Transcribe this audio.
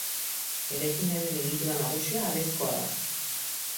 Eraikinaren egitura nagusia harrizkoa da.